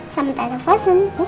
sama tata fasun